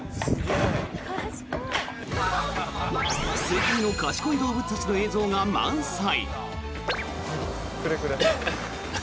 世界の賢い動物たちの映像が満載。